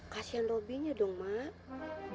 kasian robinya dong mak